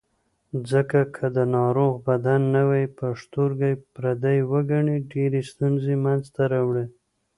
ځکه که د ناروغ بدن نوی پښتورګی پردی وګڼي ډېرې ستونزې منځ ته راوړي.